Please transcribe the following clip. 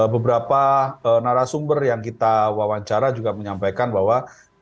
beberapa narasumber yang kita wawancara juga menyampaikan bahwa